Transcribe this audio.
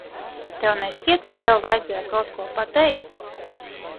Tev nešķiet, ka tev vajadzēja kaut ko pateikt?